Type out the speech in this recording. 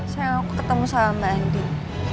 sayang aku ketemu sama mbak endin